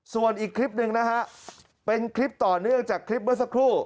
ส่วนอีกคลิปหนึ่งนะฮะเป็นคลิปต่อเนื่องจากคลิปเมื่อสักครู่